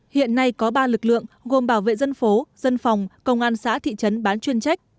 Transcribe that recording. hiện nay có ba lực lượng gồm bảo vệ dân phố dân phòng công an xã thị trấn bán chuyên trách